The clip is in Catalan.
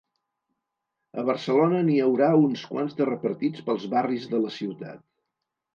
A Barcelona n’hi haurà uns quants de repartits pels barris de la ciutat.